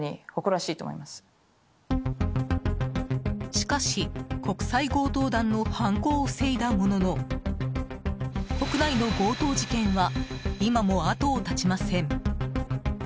しかし国際強盗団の犯行を防いだものの国内の強盗事件は今も後を絶ちません。